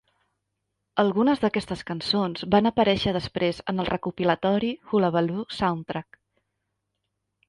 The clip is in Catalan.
Algunes d'aquestes cançons van aparèixer després en el recopilatori "Hullabaloo Soundtrack".